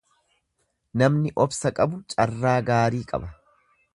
Namni obsa qabu carraa gaarii qaba.